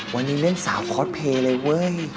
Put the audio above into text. วันนี้เล่นสาวคอสเพลย์เลยเว้ย